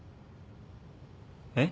えっ？